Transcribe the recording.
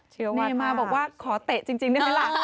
เชียววัฒนาเนม่าบอกว่าขอเตะจริงได้ไหมล่ะ